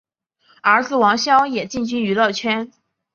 儿子王骁也进军娱乐圈。